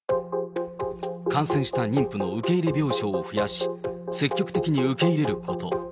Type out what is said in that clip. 感染した妊婦の受け入れ病床を増やし、積極的に受け入れること。